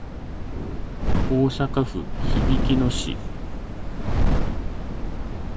大阪府羽曳野市